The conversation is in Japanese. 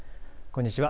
こんにちは。